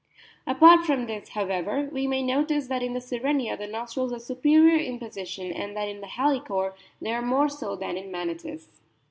Apart from this, however, we may notice that in the Sirenia the nostrils are superior in position, and that in Halicore they are more so than in Manatus.